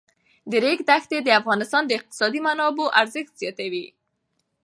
د ریګ دښتې د افغانستان د اقتصادي منابعو ارزښت زیاتوي.